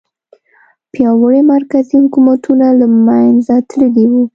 پیاوړي مرکزي حکومتونه له منځه تللي وو.